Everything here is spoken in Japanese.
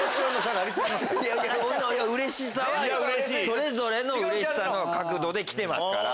それぞれのうれしさの角度で来てますから。